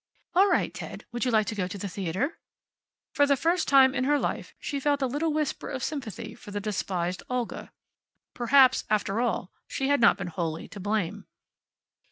"All right, Ted. Would you like the theater?" For the first time in her life she felt a little whisper of sympathy for the despised Olga. Perhaps, after all, she had not been wholly to blame.